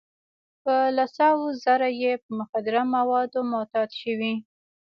په لس هاوو زره یې په مخدره موادو معتاد شوي.